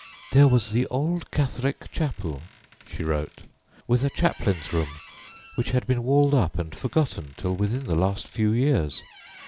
"There was the old Catholic chapel," she wrote, "with a chaplain's room which had been walled up and forgotten till within the last few years.